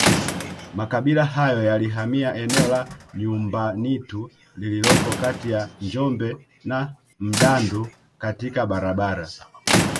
Makabila hayo yalihamia eneo la Nyumbanitu lililoko kati ya Njombe na Mdandu katika barabara